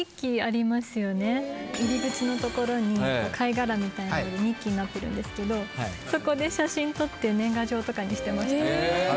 入り口のところに貝殻みたいなのでミッキーになってるんですけどそこで写真撮って年賀状とかにしてました。